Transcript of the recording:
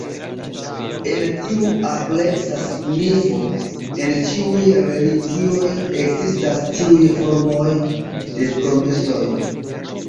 En tiu ampleksa signifo, en ĉiuj religioj, ekzistas tiuj formoj de promesoj.